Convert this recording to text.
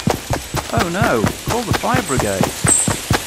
Oh no! Call the fire brigade!